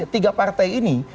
tiga partai ini